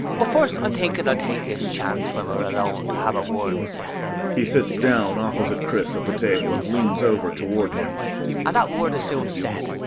But first I'm thinking I'll take this chance when we're alone to have a word with you. [He sits down opposite CHRIS at the table and leans over toward him.] And that word is soon said.